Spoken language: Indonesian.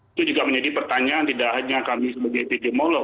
itu juga menjadi pertanyaan tidak hanya kami sebagai epidemiolog